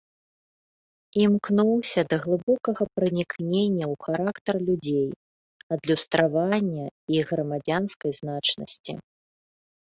Імкнуўся да глыбокага пранікнення ў характар людзей, адлюстравання іх грамадзянскай значнасці.